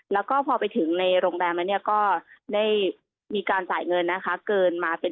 แล้วก็พอไปถึงในโรงแรมมีการจ่ายเงินเกินมาเป็น